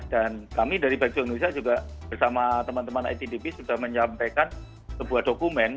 dan kami dari bike dua work indonesia juga bersama teman teman itdb sudah menyampaikan sebuah dokumen